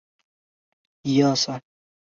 因此辉钼矿易解理。